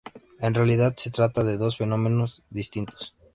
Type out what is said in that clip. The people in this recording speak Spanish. En realidad se trata de dos fenómenos distintos.